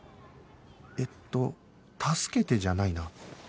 えっと「たすけて」じゃないな